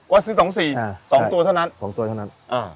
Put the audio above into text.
ว่าซื้อสองสี่อ่าสองตัวเท่านั้นสองตัวเท่านั้นอ่า